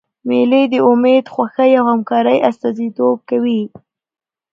مېلې د امېد، خوښۍ او همکارۍ استازیتوب کوي.